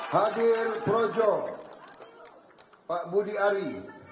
hadir projo pak budi ari